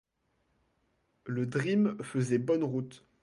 Le Dream faisait bonne route.